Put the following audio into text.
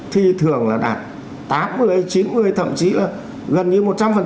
thì thường là đạt tám mươi chín mươi thậm chí là gần như một trăm linh